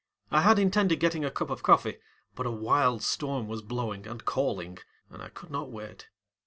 I had intended getting a cup of coffee, but a wild storm was blowing and calling, and I could not wait.